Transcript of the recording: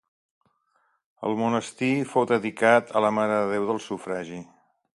El monestir fou dedicat a la Mare de Déu del sufragi.